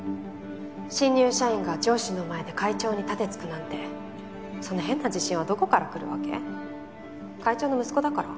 新入社員が上司の前で会長に盾突くなんてその変な自信はどこからくるわけ？会長の息子だから？